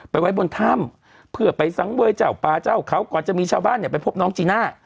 ไว้บนถ้ำเพื่อไปสังเวยเจ้าป่าเจ้าเขาก่อนจะมีชาวบ้านเนี่ยไปพบน้องจีน่า